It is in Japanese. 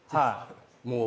もう。